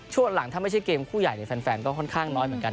ช่วงหลังถ้าไม่ใช่เกมคู่ใหญ่แฟนก็ค่อนข้างน้อยเหมือนกัน